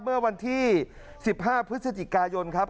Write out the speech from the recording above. เมื่อวันที่๑๕พฤศจิกายนครับ